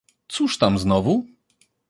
"cóż tam znowu?"